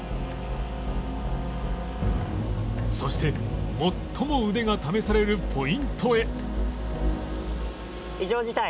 そして最も腕が試されるポイントへ